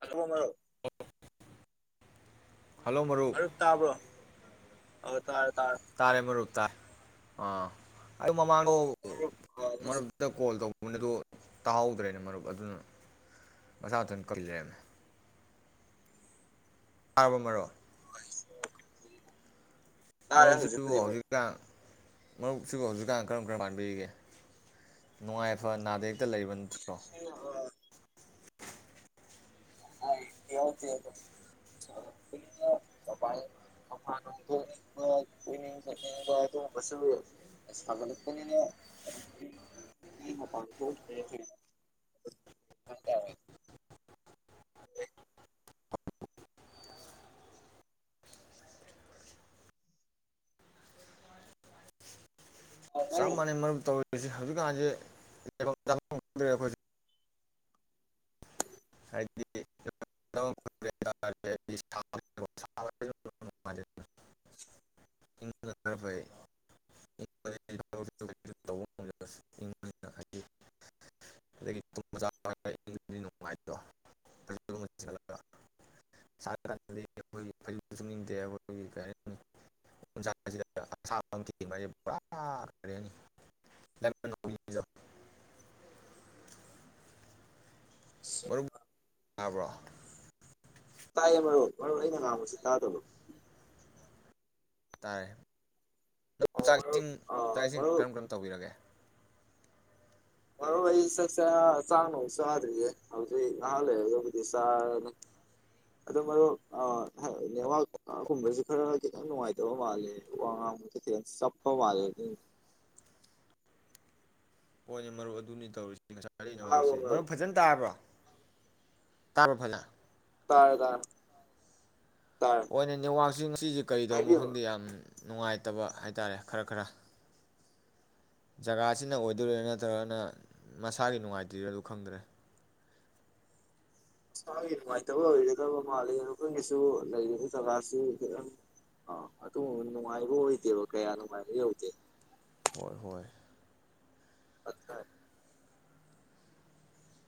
Hello ꯃꯔꯨꯞ ꯃꯔꯨꯞ ꯇꯥꯕ꯭ꯔꯣ ꯑꯥ ꯇꯥꯔꯦ ꯇꯥꯔꯦ ꯇꯥꯢ ꯑꯥ ꯑꯩ ꯃꯃꯥꯡꯗꯣ ꯃꯔꯨꯞ ꯃꯔꯨꯞ ꯇ ꯀꯣꯜ ꯇꯧꯕ ꯑꯗꯨ ꯇꯥꯍꯧꯗ꯭ꯔꯦꯅꯦ ꯃꯔꯨꯞ ꯑꯗꯨꯅ ꯃꯁꯥ ꯃꯊꯟ ꯀꯛꯈꯤ ꯂꯩꯔꯝꯃꯦ ꯇꯥꯕꯔꯕꯣ ꯃꯔꯨꯞ [inaudible] ꯇꯥꯔꯦ ꯃꯔꯨꯞ ꯁꯤꯕꯨ ꯍꯧꯖꯤꯛꯄꯨꯗꯤ ꯃꯔꯨꯞ ꯍꯧꯖꯤꯛꯀꯥꯟ ꯃꯔꯨꯞ ꯁꯤꯕꯨ ꯍꯧꯖꯤꯛꯀꯥꯟ ꯀꯔꯝ ꯀꯔꯝ ꯄꯥꯟꯕꯤꯔꯤꯒꯦ ꯅꯨꯡꯉꯥꯏ ꯐ ꯅꯥꯗ ꯌꯦꯛꯇ ꯂꯩꯕ ꯅꯠꯇ꯭ꯔꯣ ꯍꯣꯢ ꯑꯗꯨ ꯁꯥꯒꯠꯂꯛꯄꯅꯤꯅ ꯃꯄꯥꯟ ꯊꯣꯛꯅꯤꯡꯕ ꯀꯣꯢꯅꯤꯡ ꯈꯣꯠꯅꯤꯡꯕ ꯑꯗꯨꯒꯨꯝꯕꯁꯨ ꯁꯥꯒꯠꯂꯛꯄꯅꯤꯅ ꯌꯨꯝꯗꯩ ꯃꯄꯥꯜ ꯊꯣꯛꯇꯔꯦ ꯍꯥꯢꯇꯥꯔꯦ ꯆꯞ ꯃꯥꯟꯅꯩ ꯃꯔꯨꯞ ꯇꯧꯢ ꯍꯧꯖꯤꯛꯀꯥꯟꯁꯦ ꯂꯩꯚꯝ ꯆꯥꯚꯝ ꯈꯪꯗꯔꯦ ꯑꯩꯈꯣꯢꯗꯤ ꯍꯥꯏꯗꯤꯩ [unintelligible] ꯅꯨꯡꯉꯥꯏꯇꯔꯣ ꯐꯩꯖꯨꯞ ꯃꯅꯨꯡꯗ ꯆꯪꯉꯒ ꯁꯥꯔꯥ ꯀꯥꯟꯗꯗꯤ ꯐꯩꯖꯨꯞꯁꯨ ꯁꯨꯞꯅꯤꯡꯗꯦ ꯑꯩꯈꯣꯢꯒꯤ ꯀꯔꯤ ꯍꯥꯢꯅꯤ ꯎꯟꯁꯥꯁꯤꯗ ꯑꯁꯥꯕ ꯑꯃ ꯊꯦꯡꯕꯗ ꯀꯔꯤ ꯍꯥꯢꯅꯤ ꯄꯨꯔꯥ ꯂꯥꯢꯃꯟ ꯍꯧꯅꯤꯡꯕꯤꯗꯣ ꯇꯥꯕ꯭ꯔꯣ ꯇꯥꯢꯌꯦ ꯃꯔꯨꯞ ꯃꯔꯨꯞ ꯑꯩꯅ ꯉꯥꯡꯕꯁꯤ ꯇꯥꯗꯕ꯭ꯔꯣ ꯇꯥꯔꯦ ꯃꯔꯨꯞ ꯑꯣ ꯆꯥꯛ ꯏꯁꯤꯡ ꯑꯥ ꯆꯥꯛ ꯏꯁꯤꯡ ꯃꯔꯨꯞ ꯀꯔꯝ ꯀꯔꯝ ꯇꯧꯕꯤꯔꯒꯦ ꯃꯔꯨꯞ ꯑꯩ ꯆꯥꯛꯆꯥ ꯆꯥꯛ ꯅꯨꯡ ꯆꯥꯗ꯭ꯔꯤꯌꯦ꯫ ꯍꯧꯖꯤꯛ ꯉꯥꯏꯍꯥꯛ ꯂꯩꯔꯒꯕꯨꯗꯤ ꯆꯥꯔꯅꯤ꯫ ꯑꯗꯨ ꯃꯔꯨꯞ ꯅꯦꯠꯋꯥꯛ ꯑꯀꯣꯟꯕꯩꯁꯦ ꯈꯔ ꯈꯤꯇꯪ ꯅꯨꯡꯉꯥꯏꯇꯕ ꯃꯥꯜꯂꯦ ꯋꯥ ꯉꯥꯡꯕꯗ ꯈꯤꯇꯪ ꯆꯞꯄ ꯃꯥꯜꯂꯦ ꯑꯗꯨ ꯍꯣꯏꯅꯦ ꯃꯔꯨ ꯑꯗꯨꯅꯤ ꯇꯧꯔꯤꯁꯦ ꯉꯁꯥꯢꯗꯩꯪ ꯇꯥꯔꯕꯣ ꯅꯦꯠꯋꯥꯛꯁꯦ꯫ꯃꯔꯨꯞ ꯃꯔꯨꯞ ꯐꯖꯅ ꯇꯥꯕ꯭ꯔꯣ ꯇꯥꯕ꯭ꯔꯣ ꯐꯖꯟ ꯇꯥꯔꯦ ꯇꯥꯔꯦ ꯇꯥꯔꯦ ꯍꯣꯏꯅꯦ ꯅꯦꯠꯋꯥꯛꯁꯦ ꯉꯁꯤꯁꯦ ꯀꯩꯗꯧꯔꯕꯅꯣ ꯍꯥꯏꯕꯤꯌꯨ ꯈꯪꯗꯦ ꯌꯥꯝ ꯅꯨꯡꯉꯥꯏꯇꯕ ꯍꯥꯏꯇꯥꯔꯦ ꯈꯔ ꯈꯔ ꯖꯒꯥꯁꯤꯅ ꯑꯣꯏꯗꯣꯏꯔꯥ ꯅꯠꯇ꯭ꯔꯒꯅ ꯃꯁꯥꯒꯤ ꯅꯨꯡꯉꯥꯏꯇꫪꯤꯔꯥ ꯑꯗꯨ ꯈꯪꯗ꯭ꯔꯦ ꯏꯁꯥꯒꯤ ꯅꯨꯡꯉꯥꯏꯇꯕ ꯑꯣꯏꯒꯗꯕ ꯃꯥꯜꯂꯤ ꯑꯩꯈꯣꯏꯒꯤꯁꯨ ꯂꯩꯔꯤꯕ ꯖꯒꯥꯁꯤ ꯈꯤꯇꯪ ꯑ ꯑꯗꯨ ꯅꯨꯡꯉꯥꯏꯕ ꯑꯣꯏꯗꯦꯕ ꯀꯌꯥ ꯅꯨꯡꯉꯥꯏꯕ ꯌꯧꯗꯦ ꯍꯣꯏ ꯍꯣꯏ ꯑꯆꯥ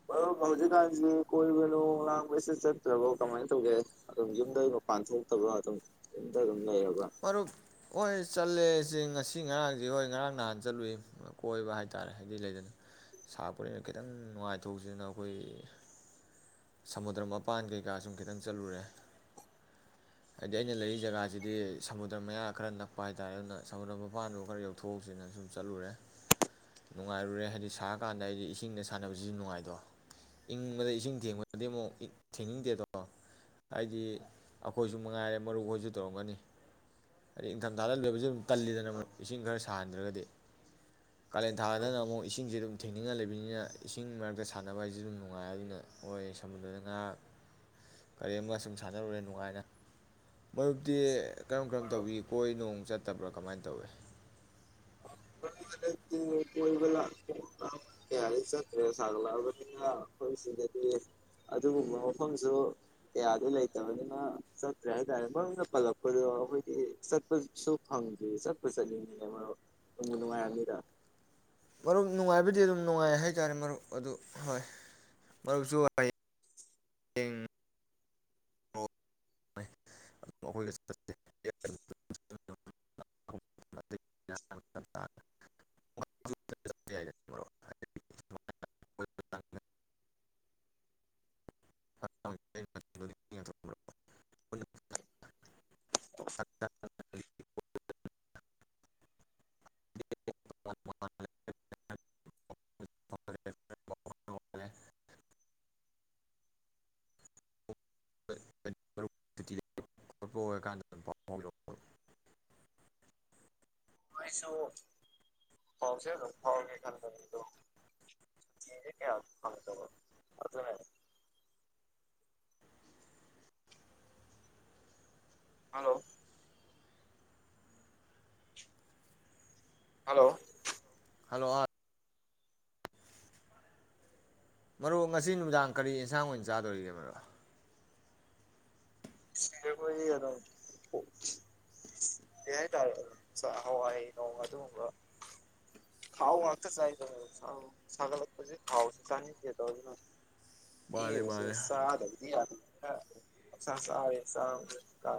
ꯃꫪꯨꯞ ꯍꯧꯖꯤꯛꯀꯥꯟꯁꯤ ꯀꯣꯏꯕ ꯂꯣ ꯂꯥꯡꯕꯁꯤ ꯆꯠꯇ꯭ꯔꯕꯣ ꯀꯃꯥꯏꯅ ꯇꯧꯒꯦ ꯑꯗꯨꯝ ꯌꯨꯝꯗꯩ ꯃꯄꯥꯟ ꯊꯣꯛꯇꯕ꯭ꯔ ꯑꯗꯨꯝ ꯌꯨꯝꯗ ꯑꯗꯨꯝ ꯂꯩꯔꯕ꯭ꯔꯥ ꯄꯔꯨꯞ ꯑꯣꯏꯁ ꯆꯠꯂꯦꯁꯦ ꯉꯁꯤ ꯉꯔꯥꯡꯁꯦ ꯍꯣꯏ ꯉꯔꯥꯡ ꯅꯍꯥꯟ ꯆꯠꯂꯨꯏ ꯀꯣꯏꯕ ꯍꯥꯏꯇꯥꯔꯦ ꯍꯥꯏꯗꯤ ꯂꯩꯗꯅ ꯁꯥꯄꯣꯅꯤꯅ ꯈꯤꯇꯪ ꯅꯨꯡꯉꯥꯏꯊꯣꯛꯁꯦꯅ ꯑꯩꯈꯣꯏ ꯁꯃꯨꯗ꯭ꯔ ꯃꯄꯥꯟ ꯀꯩꯀꯥ ꯁꯨꯝ ꯈꯤꯇꯪ ꯆꯠꯂꯨꯔꯦ ꯍꯥꯏꯗꯤ ꯑꯩꯅ ꯂꯩꯔꯤ ꯖꯒꯥꯁꯤꯗꯤ ꯁꯃꯨꯗ꯭ꯔ ꯃꯌꯥ ꯈꯔ ꯅꯛꯄ ꯍꯥꯏꯇꯥꯔꯦ ꯑꯗꯨꯅ ꯁꯃꯨꯗ꯭ꯔ ꯃꯄꯥꯟꯗ ꯈꯔ ꯌꯧꯊꯣꯛꯎꯁꯤꯅ ꯁꯨꯝ ꯆꯠꯂꯨꯔꯦ ꯅꯨꯡꯉꯥꯏꯔꯨꯔꯦ ꯍꯥꯏꯗꯤ ꯁꯥꯔꯀꯥꯟꯗ ꯑꯩꯗꯤ ꯏꯁꯤꯡꯗ ꯁꯥꯟꯅꯕꯁꯤꯁꯨ ꯅꯨꯡꯉꯥꯏꯗꯣ ꯏꯪꯕꯗ ꯏꯁꯤꯡ ꯊꯦꯡꯕ ꯑꯗꯩꯃꯣ ꯏꯛ ꯊꯦꯡꯅꯤꯡꯗꯦꯗꯣ ꯍꯥꯏꯗꯤ ꯑꯩꯈꯣꯏꯁꯨ ꯃꯉꯥꯏꯔꯦ ꯃꯔꯨꯞ ꯑꯣꯏꯁꯨ ꯇꯧꯔꯝꯒꯅꯤ ꯍꯥꯏꯗꯤ ꯏꯪꯊꯝꯊꯥꯗ ꯂꯣꯏꯕꯖꯤ ꯑꯗꯨꯝ ꯇꯜꯂꯤꯗꯅ ꯑꯃ ꯏꯁꯤꯡ ꯈꯔ ꯁꯥꯍꯟꯗ꯭ꯔꯒꯗꯤ ꯀꯥꯂꯦꯟ ꯊꯥꯗꯅ ꯑꯃꯨꯛ ꯏꯁꯤꯡꯖꯦ ꯑꯗꯨꯝ ꯊꯦꯡꯅꯤꯡꯉ ꯂꯩꯕꯅꯤꯅ ꯏꯁꯤꯡ ꯃꯔꯛꯇ ꯁꯥꯟꯅꯕ ꯍꯥꯏꯁꯤ ꯑꯗꯨꯝ ꯅꯨꯡꯉꯥꯏ ꯑꯗꯨꯅ ꯍꯣꯏ ꯁꯃꯨꯗ꯭ꯔꯗ ꯉꯥ ꯀꯔꯤꯝꯒ ꯑ ꯁꯨꯝ ꯁꯥꯟꯅꯔꯨꯔꯦ ꯅꯨꯡꯉꯥꯏꯅ ꯃꯔꯨꯞꯇꯤ ꯀꯔꯝ ꯀꯔꯝ ꯇꯧꯕꯤꯔꯤ ꯀꯣꯏ ꯅꯣꯡ ꯆꯠ ꯐꯠꯇꯕ꯭ꯔꯥ ꯀꯃꯥꯏ ꯇꯧꯋꯦ ꯀꯣꯏꯕ ꯀꯌꯥꯗꯤ ꯆꯠꯇ꯭ꯔꯦ ꯁꯥꯒꯠꯂꯛꯑꯕꯅꯤꯅ ꯑꯩꯈꯣꯏ ꯁꯤꯗꯗꯤ ꯑꯗꯨꯒꯨꯝꯕ ꯃꯐꯝꯁꯨ ꯀꯌꯥꯗ ꯂꯩꯇꯕꯅꯤꯅ ꯆꯠꯇ꯭ꯔꯦ ꯍꯥꯏ ꯇꯔꯦ ꯃꯔꯨꯝ ꯄꯜꯂꯛꯄꯗꯣ ꯑꯩꯈꯣꯏꯗꯤ ꯆꯠꯄꯁꯨ ꯐꯪꯗ꯭ꯔꯤ ꯆꯠꯄ ꯆꯠꯅꯤꯡꯉꯤꯅꯦ ꯃꯔꯨꯞ ꯅꯨꯡꯕꯨ ꯅꯨꯡꯉꯥꯏꯔꯝꯅꯤꯗ ꯃꯔꯨꯞ ꯅꯨꯡꯉꯥꯏꯕꯗꯤ ꯑꯗꯨꯝ ꯅꯨꯡꯉꯥꯏ ꯍꯥꯏꯇꯥꯔꯦ ꯃꯔꯨꯞ ꯑꯗꯨ ꯍꯣꯏ ꯃꯔꯨꯞꯁꯨ ꯍꯥꯏꯡ ꯑꯩꯈꯣꯏꯒ [unintelligible] [unintelligible] ꯑ [inaudible] [unintelligible] [unintelligible] ꯇꯤꯇꯤ ꯑꯐꯥꯕ ꯑꯣꯏꯔꯀꯟꯗꯥ ꯑꯩꯏꯁꯨ ꯐꯥꯎꯁꯦ ꯑꯗꯨꯝ ꯐꯥꯎꯒꯦ ꯈꯟꯗꯅꯤꯗꯣꯁꯦ ꯀꯌꯥ ꯐꯪꯗꯕ ꯑꯗꯨꯅꯅꯦ ꯍꯜꯂꯣ ꯍꯜꯂꯣ ꯍꯜꯂꯣ ꯑꯥ ꯃꯔꯨꯞ ꯉꯁꯤ ꯅꯨꯃꯤꯗꯥꯡ ꯀꯔꯤ ꯌꯦꯟꯁꯥꯡ ꯑꯣꯏꯅ ꯆꯥꯗꯣꯔꯤꯒꯦ ꯃꯔꯣ ꯑꯩꯈꯣꯏꯒꯤ ꯑꯗꯨꯝ ꯀꯩ ꯍꯥꯏꯇꯥꯔꯦ ꯍꯋꯥꯏ ꯅꯧ ꯑꯗꯨꯒꯨꯝꯕ ꯊꯥꯎ ꯉꯥꯛꯇ ꯆꯥꯏꯗꯕ ꯁꯥꯒꯠꯂꯛꯄꯁꯦ ꯊꯥꯎꯁꯤꯦ ꯆꯥꯅꯤꯡꯗꯦꯗ ꯑꯗꯨꯅ ꯃꯥꯅꯦ ꯌꯦꯁ ꯃꯥꯅꯦ ꯆꯥꯗꯗꯤ ꯌꯥꯔꯣꯏ ꯑ ꯈꯥ ꯆꯥꯎꯔꯦ ꯆ ꯀ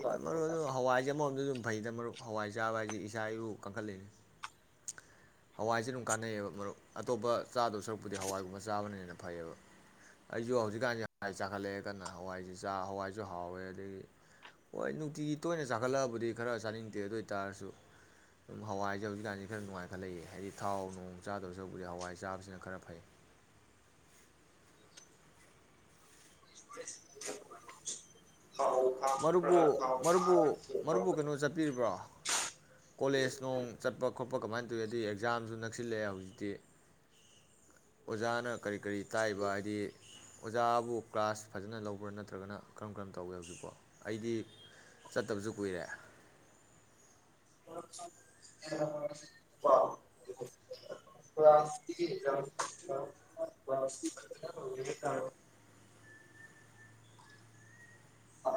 ꯍꯣꯏ ꯃꯔꯨ ꯑꯗꯨ ꯍꯋꯥꯏꯁꯦ ꯑꯃꯣꯝꯗ ꯑꯗꯨꯝ ꯐꯩꯗ ꯃꯔꯨꯞ ꯍꯋꯥꯏ ꯆꯥꯕ ꯍꯥꯏꯁꯤ ꯏꯁꯥ ꯏꯎ ꯀꯟꯈꯠꯂꯤꯅꯤ ꯍꯋꯥꯏꯁꯦ ꯑꯗꯨꯝ ꯀꯥꯟꯅꯩꯑꯕ ꯃꯔꯨꯞ ꯑꯇꯣꯞꯄ ꯆꯥꯗꯧ ꯁꯔꯨꯛꯄꯨꯗꯤ ꯍꯋꯥꯏꯒꯨꯝꯕ ꯆꯥꯕꯅꯅ ꯐꯩꯌꯦꯕ ꯑꯩꯁꯨ ꯍꯧꯖꯤꯛꯀꯥꯟꯁꯦ ꯍꯋꯥꯏ ꯆꯥꯛꯈꯠꯂꯛꯑꯦ ꯀꯟꯅ ꯍꯋꯥꯏꯁꯦ ꯍꯋꯥꯏꯁꯨ ꯍꯥꯎꯋꯦ ꯑꯗꯒꯤ ꯍꯣꯏ ꯅꯨꯡꯇꯤꯒꯤ ꯇꯣꯏꯅ ꯆꯥꯛꯈꯠꯂꯛꯑꯕꯨꯗꯤ ꯈꯔ ꯆꯥꯅꯤꯡꯇꯦ ꯑꯗꯨ ꯑꯣꯏ ꯇꯥꯔꯁꯨ ꯑꯗꯨꯝ ꯍꯋꯥꯏꯁꯦ ꯍꯧꯖꯤꯛꯀꯥꯟꯁꯦ ꯈꯔ ꯅꯨꯡꯉꯥꯏ ꯈ ꯂꯩꯌꯦ ꯍꯥꯏꯗꯤ ꯊꯥꯎ ꯅꯣꯡ ꯆꯥꯗꯧꯁꯔꯨꯕꯨꯗꯤ ꯍꯋꯥꯏ ꯆꯥꯕꯁꯤꯅ ꯈꯔ ꯐꯩ ꯊꯥꯎ ꯊꯥꯛꯄ꯭ꯔꯥ ꯃꯔꯨꯕꯨ ꯊꯥꯎ ꯃꯔꯨꯕꯨ ꯊꯥꯛꯑꯒ ꯊꯣꯡꯕ ꯃꯔꯨꯕꯨ ꯀꯩꯅꯣ ꯃꯇꯝꯗ ꯆꯠꯄꯤꯔꯤꯕ꯭ꯔꯣ ꯀꯣꯂꯦꯖ ꯅꯣꯡ ꯆꯠꯄ ꯈꯣꯠꯄ ꯀꯃꯥꯏꯅ ꯇꯧꯏꯤ ꯑꯗꯩ ꯑꯦꯛꯖꯥꯝꯁꯨ ꯅꯛꯁꯤꯜꯂꯛꯑꯦ ꯍꯧꯖꯤꯛꯇꯤ ꯑꯣꯖꯥꯅ ꯀꯔꯤ ꯀꯔꯤ ꯇꯥꯛꯏꯕ ꯍꯥꯏꯗꯤ ꯑꯣꯖꯥꯕꯨ ꯀ꯭ꯂꯥꯁ ꯐꯖꯅ ꯂꯧꯕ꯭ꯔꯥ ꯅꯠꯇ꯭ꯔꯒꯅ ꯀꯔꯝ ꯀꯔꯝ ꯇꯧꯏꯦ ꯍꯧꯖꯤꯛꯄꯣ ꯑꯩꯗꯤ ꯆꯠꯇꯕꯁꯨ ꯀꯨꯏꯔꯦ ꯋꯥ ꯥꯁ ꯑꯛꯖꯥꯝꯦ ꯑ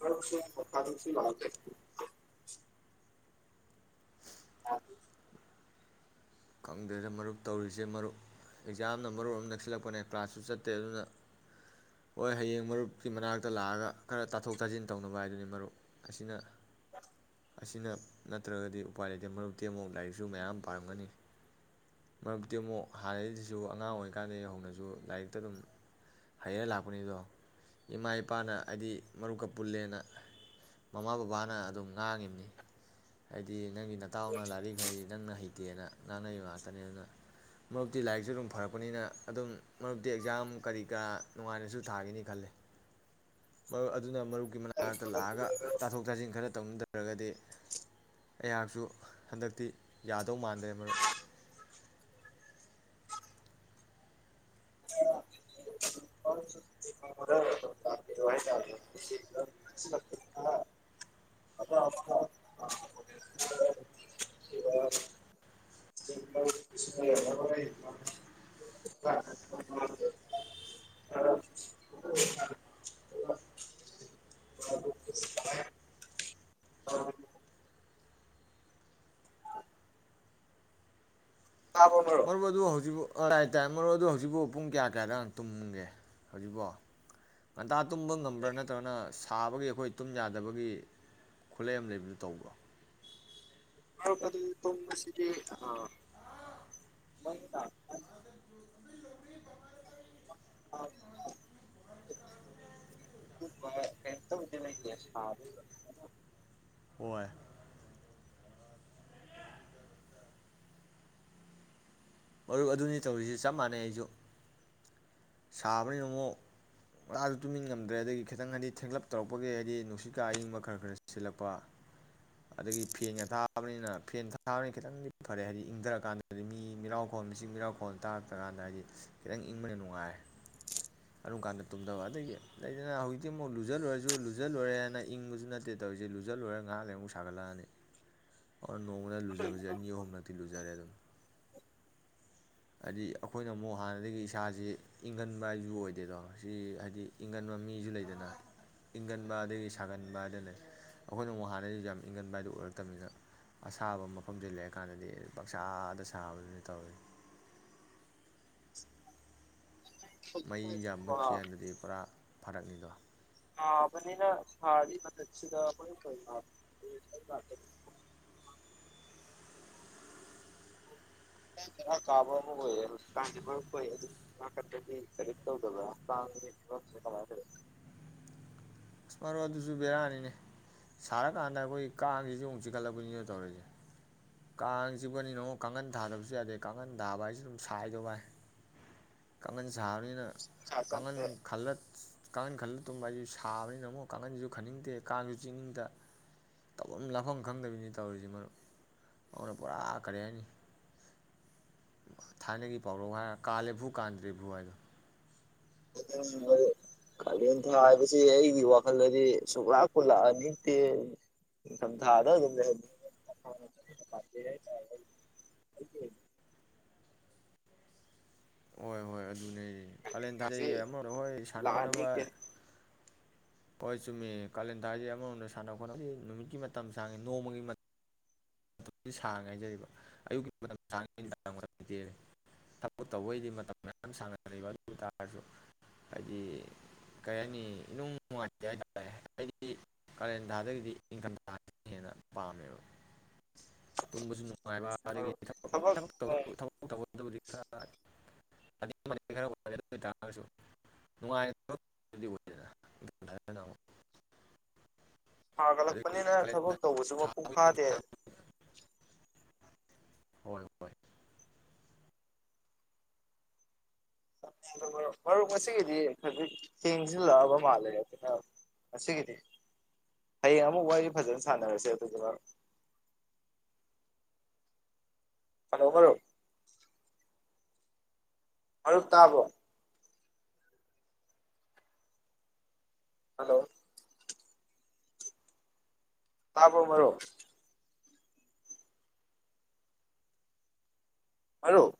ꯐꯔ ꯂ ꯈꯪꯗꯦꯗ ꯃꯔꯨꯞ ꯇꯧꯔꯤꯁꯦ ꯃꯔꯨꯞ ꯑꯦꯛꯖꯥꯝꯅ ꯃꯔꯣꯟꯑꯃ ꯅꯛꯁꯤꯜꯂꯛꯄꯅꯦ ꯀ꯭ꯂꯥꯁꯁꯨ ꯆꯠꯇꯦ ꯑꯗꯨꯅ ꯍꯣꯏ ꯍꯌꯦꯡ ꯃꯔꯨꯞꯀꯤ ꯃꯅꯥꯛꯇ ꯂꯥꯛꯑꯒ ꯈꯔ ꯇꯥꯊꯣꯛ ꯇꯥꯁꯤꯟ ꯇꯧꯅꯕ ꯍꯥꯏꯗꯨꯅꯤ ꯃꯔꯨꯞ ꯑꯁꯤꯅ ꯑꯁꯤꯅ ꯅꯠꯇ꯭ꯔꯒꯗꯤ ꯎꯄꯥꯏ ꯂꯩꯇꯦ ꯃꯔꯨꯞꯇꯤ ꯑꯃꯨꯛ ꯂꯥꯏꯔꯤꯛꯁꯨ ꯃꯌꯥꯝ ꯄꯥꯔꯝꯒꯅꯤ ꯃꯔꯨꯞꯗꯤꯤ ꯑꯃꯨꯛ ꯍꯥꯟꯅꯩꯗꯨꯁꯨ ꯑꯉꯥꯡ ꯑꯣꯏꯔꯤꯀꯥꯟꯗ ꯍꯧꯅꯁꯨ ꯂꯥꯏꯔꯤꯛꯇ ꯑꯗꯨꯝ ꯍꯩꯔ ꯂꯥꯛꯄꯅꯤꯗꯣ ꯏꯃꯥ ꯏꯄꯥꯅ ꯍꯥꯏꯗꯤ ꯃꯔꯨꯞꯀ ꯄꯨꯜꯂꯦꯅ ꯃꯃꯥ ꯕꯕꯥꯅ ꯑꯗꯨꯝ ꯉꯥꯡꯉꯤꯝꯅꯤ ꯍꯥꯏꯗꯤ ꯅꯪꯒꯤ ꯅꯇꯥꯎꯅ ꯂꯥꯏꯔꯤꯛꯈꯩ ꯅꯪꯅ ꯍꯩꯇꯦꯅ ꯅꯥꯟꯅꯔꯤꯕ ꯉꯥꯛꯇꯅꯦ ꯑꯗꯨꯅ ꯃꯔꯛꯇꯤ ꯂꯥꯏꯔꯤꯛꯁꯨ ꯑꯗꯨꯝ ꯐꯔꯛꯄꯅꯤꯅ ꯑꯗꯨꯝ ꯃꯔꯨꯞꯗꯤ ꯑꯦꯛꯖꯥꯝ ꯀꯔꯤ ꯀꯔꯥ ꯅꯨꯡꯉꯥꯏꯅꯁꯨ ꯊꯥꯈꯤꯅꯤ ꯈꯜꯂꯦ ꯃꯔꯨꯞ ꯑꯗꯨꯅ ꯃꯔꯨꯞ ꯃꯅꯥꯛꯇ ꯂꯥꯛꯑꯒ ꯇꯥꯊꯣꯛ ꯇꯥꯁꯤꯟ ꯈꯔ ꯇꯧꯅꯗ ꯅꯠꯇ꯭ꯔꯒꯗꯤ ꯑꯩꯍꯥꯛꯁꯨ ꯍꯟꯗꯛꯇꯤ ꯌꯥꯗꯧ ꯃꯥꯟꯗ꯭ꯔꯦ ꯃꯔꯨꯞ [inaudible] ꯃꯔꯨꯞ ꯑꯗꯨ ꯍꯧꯖꯤꯄꯨ ꯄꯨꯡ ꯀꯌꯥ ꯀꯌꯥꯗꯪ ꯇꯨꯝꯒꯦ ꯍꯧꯖꯤꯛꯄꯣ ꯉꯟꯇꯥ ꯇꯨꯝꯕ ꯉꯝꯕ꯭ꯔꯥ ꯅꯠꯇ꯭ꯔꯒꯅ ꯁꯥꯕꯒꯤ ꯑꯩꯈꯣꯏ ꯇꯨꯝ ꯌꯥꯗꯕꯒꯤ ꯈꯨꯠꯂꯩ ꯑꯃ ꯂꯩꯕꯗꯨ ꯇꯧꯕ꯭ꯔꯣ ꯑꯁ ꯑꯗꯨꯗꯤ ꯇꯨꯝꯕꯁꯤꯗꯤ ꯀꯩꯝꯇꯕꯨꯗꯤ ꯂꯩꯇꯦ ꯁꯥꯕꯒꯤ ꯑꯣ ꯃꯔꯨꯞ ꯑꯗꯨꯅꯤ ꯇꯧꯔꯤꯁꯤ ꯆꯞ ꯃꯥꯟꯅꯩ ꯑꯩꯁꯨ ꯁꯥꯕꯅꯤꯅ ꯑꯃꯨꯛ ꯉꯥꯟꯇꯁꯨ ꯇꯨꯝꯖꯤꯟ ꯉꯝꯗ꯭ꯔꯦ ꯑꯗꯒꯤ ꯈꯤꯇꯪ ꯍꯥꯏꯗꯤ ꯊꯦꯡꯂꯞ ꯇꯧꯔꯛꯄꯒꯤ ꯍꯥꯏꯗꯤ ꯅꯨꯡꯁꯤꯠꯀꯥ ꯑꯌꯤꯡꯕ ꯈꯔ ꯈꯔ ꯁꯤꯜꯂꯛꯄ ꯑꯗꯒꯤ ꯐꯦꯟꯒ ꯊꯥꯕꯅꯤꯅ ꯐꯦꯟꯒ ꯊꯥꯕꯅꯤꯅ ꯈꯤꯇꯪꯗꯤ ꯐꯔꯦ ꯍꯥꯏꯗꯤ ꯏꯪꯊꯔꯀꯥꯟꯗꯗꯤ ꯃꯤ ꯃꯤꯔꯥꯎ ꯈꯣꯟ ꯃꯆꯤꯛ ꯃꯤꯔꯥꯎꯈꯣꯟ ꯇꯥꯔꯛꯇ꯭ꯔꯀꯥꯟꯗ ꯍꯥꯏꯗꯤ ꯈꯤꯇꯪ ꯏꯪꯕꯅ ꯅꯨꯡꯉꯥꯏꯔꯦ ꯑꯗꯨꯝ ꯀꯥꯟꯗ ꯇꯨꯝꯗꯕ ꯑꯗꯒꯤ ꯂꯩꯗꯅ ꯍꯧꯖꯤꯛꯇꯤ ꯑꯃꯨꯛ ꯂꯨꯖ ꯂꯣꯏꯔꯁꯨ ꯂꯨꯖ ꯂꯣꯏꯔꯦ ꯍꯥꯏꯅ ꯏꯪꯕꯁꯨ ꯅꯠꯇꯦ ꯇꯧꯔꯤꯁꯦ ꯂꯨꯖ ꯂꯣꯏꯔ ꯉꯥꯏꯍꯥꯛ ꯂꯩ ꯑꯃꯨꯛ ꯁꯥꯒꯠꯂꯛꯑꯅꯤ ꯑꯣꯔ ꯅꯣꯡꯃꯗ ꯂꯨꯖꯕꯁꯦ ꯑꯅꯤ ꯑꯍꯨꯝꯂꯛꯇꯤ ꯂꯨꯖꯔꯦ ꯑꯗꯨꯝ ꯍꯥꯏꯗꯤ ꯑꯩꯈꯣꯏꯅ ꯑꯃꯨꯛ ꯍꯥꯟꯅꯗꯒꯤ ꯏꯁꯥꯁꯤ ꯏꯪꯒꯟꯕ ꯍꯥꯏꯁꯨ ꯑꯣꯏꯗꯦꯗꯣ ꯁꯤ ꯍꯥꯏꯗꯤ ꯏꯪꯒꯟꯕ ꯃꯤꯁꯨ ꯂꯩꯗꯅ ꯏꯪꯒꯟꯕ ꯑꯗꯒꯤ ꯁꯥꯒꯟꯕ ꯍꯥꯏꯗꯅ ꯂꯩ ꯑꯩꯈꯣꯏꯅ ꯑꯃꯨꯛ ꯍꯥꯟꯅꯗꯒꯤꯁꯨ ꯌꯥꯝ ꯏꯪꯒꯟꯕ ꯍꯥꯏꯗꯨ ꯑꯣꯏꯔꯛꯇꯕꯅꯤꯅ ꯑꯁꯥꯕ ꯃꯐꯝꯗ ꯂꯩꯔꯀꯥꯟꯗꯗꯤ ꯄꯪꯁꯥꯗ ꯁꯥꯕꯗꯨꯅꯤ ꯇꯧꯔꯤꯖꯦ [inaudible] ꯃꯩꯌꯥꯝ ꯃꯨꯛꯈꯤ ꯒꯥꯟꯗꯗꯤ ꯄꯨꯔꯥ ꯐꯔꯛꯅꯤꯗꯣ ꯁꯥꯕꯅꯤꯅ ꯁꯥꯔꯤ ꯃꯊꯛꯁꯤꯗ ꯍꯧꯖꯤꯛꯀꯥꯟꯖꯦ ꯕꯦꯔ ꯀꯥꯕ ꯑꯃ ꯑꯣꯏꯔꯦ ꯍꯧꯖꯤꯛꯀꯥꯟꯖꯦ ꯃꯔꯨꯞꯈꯣꯏ ꯑꯗꯣꯝ ꯅꯥꯀꯟꯗꯗꯤ ꯀꯔꯤꯝ ꯇꯧꯗꯕ꯭ꯔ ꯀꯥꯡꯒꯤ ꯐꯤꯕꯝꯗꯤ ꯀꯃꯥꯏ ꯇꯧꯋꯤ ꯃꯔꯨꯞ ꯑꯗꯨꯁꯨ ꯕꯦꯔꯥꯅꯤꯅꯦ ꯁꯥꯔꯀꯥꯟꯗ ꯑꯩꯈꯣꯏ ꯀꯥꯡꯁꯤꯁꯨ ꯑꯃꯨꯛ ꯆꯤꯈꯠꯂꯛꯄꯅꯤꯅ ꯇꯧꯔꯤꯁꯦ ꯀꯥꯡ ꯆꯤꯛꯄꯅꯤ ꯑꯃꯨꯛ ꯀꯥꯡꯈꯟ ꯊꯥꯗꯕꯁꯨ ꯌꯥꯗꯦ ꯀꯥꯡꯈꯟ ꯊꯥꯕ ꯍꯥꯏꯁꯨ ꯑꯗꯨꯝ ꯁꯥꯏꯗꯣ ꯚꯥꯏ ꯀꯥꯡꯈꯟ ꯁꯥꯕꯅꯤꯅ ꯏꯆꯥ ꯀꯥꯡꯈꯟ ꯆꯪꯗꯦ ꯈꯜꯂ ꯀꯥꯡꯈꯟ ꯈꯜꯂ ꯇꯨꯝꯕ ꯍꯥꯏꯖꯤꯁꯨ ꯁꯥꯕꯅꯤꯅ ꯑꯃꯨꯛ ꯀꯥꯡꯈꯟꯁꯤꯁꯨ ꯈꯟꯅꯤꯡꯗꯦ ꯀꯥꯡꯁꯨ ꯆꯤꯡꯅꯤꯡꯗ ꯇꯧꯐꯝ ꯂꯥꯛꯐꯝ ꯈꯪꯗꯕꯤꯅꯤ ꯇꯧꯔꯤꯁꯤ ꯃꯔꯨꯞ ꯑꯗꯨꯅ ꯄꯨꯔꯥ ꯀꯔꯤ ꯍꯥꯏꯅꯤ ꯊꯥꯏꯅꯒꯤ ꯄꯥꯎꯔꯧ ꯍꯥꯏꯔ ꯀꯥꯜꯂꯦ ꯐꯨ ꯀꯥꯟꯗ꯭ꯔꯦ ꯐꯨ ꯍꯥꯏꯗꯣ ꯀꯥꯂꯦꯟ ꯊꯥ ꯍꯥꯏꯕꯁꯤ ꯑꯩꯒꯤ ꯋꯥꯈꯜꯗꯗꯤ ꯁꯨꯡꯂꯥꯛꯄꯨ ꯂꯥꯛꯍꯟꯅꯤꯡꯗꯦ ꯅꯤꯡꯊꯝ ꯊꯥꯗ ꯑꯗꯨꯝ ꯂꯩꯍꯟꯅꯤꯡꯉꯦ ꯅꯤꯡꯊꯝꯊꯥꯅ ꯈꯔ ꯍꯦꯟꯅ ꯄꯥꯝꯖꯩ ꯍꯥꯏꯇꯥꯔꯦ ꯑꯩ ꯑꯩꯒꯤ ꯑꯣꯏꯅ ꯍꯣꯏ ꯍꯣꯏ ꯑꯗꯨ ꯀꯥꯂꯦꯟ ꯉꯁꯤ ꯊꯥꯖꯩ ꯑꯃ ꯃꯣꯏ ꯁꯥꯟꯅ ꯈꯣꯠꯅꯕ ꯂꯥꯛꯍꯟꯅꯤꯡꯇꯦ ꯍꯣꯏ ꯆꯨꯝꯃꯤ ꯀꯥꯂꯦꯟꯊꯥꯁꯤ ꯑꯃꯔꯣꯝꯗ ꯁꯥꯟꯅ ꯈꯣꯠꯅꯕ ꯅꯨꯃꯤꯠꯀꯤ ꯃꯇꯝ ꯁꯥꯡꯏꯤ ꯅꯣꯡꯃꯒꯤ ꯃꯇꯝ ꯁꯥꯡꯉꯦ ꯍꯥꯏꯖꯔꯤꯕ ꯑꯌꯨꯛꯀꯤ ꯃꯇꯝ ꯁꯥꯡ ꯊꯕꯛ ꯇꯧꯕꯩꯗꯤ ꯃꯇꯝ ꯃꯌꯥꯝ ꯁꯥꯡꯅꯕ ꯑꯗꯨ ꯑꯣꯏ ꯇꯥꯔꯁꯨ ꯍꯥꯏꯗꯤ ꯀꯔꯤ ꯍꯥꯏꯅꯤ ꯅꯨꯡ ꯅꯨꯡꯉꯥꯏꯇꯦ ꯍꯥꯏꯇꯥꯔꯦ ꯍꯥꯏꯗꯤ ꯀꯥꯔꯦꯟ ꯊꯥꯗꯒꯤꯗꯤ ꯅꯤꯡꯊꯝꯊꯥꯅ ꯍꯦꯟꯅ ꯄꯥꯝꯃꯦꯕ ꯇꯨꯝꯕꯁꯨ ꯅꯨꯡꯉꯥꯏꯕ ꯃꯔꯨꯞ ꯑꯗꯒꯤꯗꯤ ꯊꯕꯛ ꯅꯣꯡ ꯑꯗꯨꯕꯨꯗꯤ ꯈꯔꯥꯑꯗꯨ ꯑꯣꯏꯇꯥꯔꯁꯨ ꯅꯨꯡꯉꯥꯏꯗꯅꯅ ꯑꯃꯨꯛ [unintelligible] ꯑꯗꯒꯤ ꯁꯥꯒꯠꯂꯛꯄꯅꯤꯅ ꯀꯥꯂꯦꯟ ꯊꯥ ꯊꯕꯛ ꯇꯧꯕꯁꯨ ꯃꯄꯨꯡ ꯁꯥꯕꯒꯤ ꯐꯥꯗꯦ ꯍꯣꯏ ꯍꯣꯏ ꯃꯔꯨꯞ ꯉꯁꯤꯒꯤꯗꯤ ꯈꯖꯤꯛ ꯊꯦꯡꯁꯤꯜꯂꯛꯑꯕ ꯃꯥꯜꯂꯦ ꯑꯗꯨꯅ ꯉꯁꯤꯒꯤꯗꯤ ꯍꯌꯦꯡ ꯑꯃꯨꯛ ꯋꯥꯔꯤ ꯐꯖꯅ ꯁꯥꯟꯅꯔꯁꯦ ꯑꯗꯨꯗꯨꯅ ꯍꯂꯣ ꯃꯔꯨꯞ ꯍꯂꯣ ꯇꯥꯕ꯭ꯔꯣ ꯍꯜꯂꯣ ꯇꯥꯕ꯭ꯔꯣ ꯃꯔꯨꯞ ꯃꯔꯨꯞ